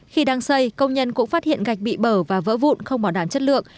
khi đang xây công nhân cũng phát hiện gạch bị bở và vỡ vụn không bảo đảm chất lượng